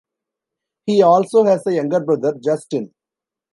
He also has a younger brother, Justin.